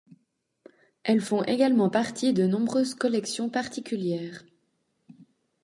Elles font également partie de nombreuses collections particulières.